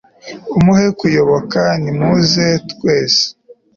umuhe kuyoboka; nimuze twese